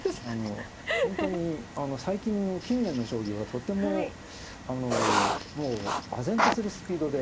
本当に最近の近年の将棋はとてももうあぜんとするスピードで。